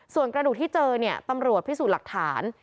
ส่วนกระดูกที่เจอเนี่ยตำรวจพิสูจน์หลักฐาน